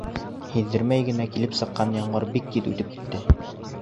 Һиҙҙермәй генә килеп сыҡҡан ямғыр бик тиҙ үтеп китте.